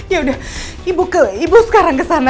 ya udah ibu sekarang ke sana ya